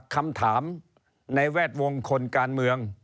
คำถามในแวดวงคนการเมือง